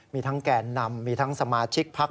มีทั้งแก่นำมีทั้งสมาชิกพัก